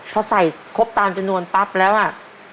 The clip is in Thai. พอใส่ครบตามจำนวนปั๊บแล้วอ่ะ